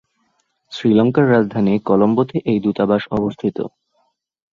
শ্রীলঙ্কার রাজধানী কলম্বোতে এই দূতাবাস অবস্থিত।